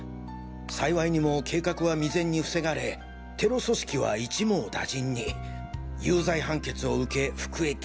幸いにも計画は未然に防がれテロ組織は一網打尽に有罪判決を受け服役。